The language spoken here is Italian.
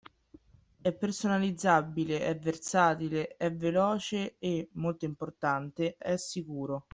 È personalizzabile, è versatile, è veloce e, molto importante, è sicuro.